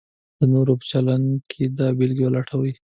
د نورو په چلند کې دا بېلګې ولټوئ: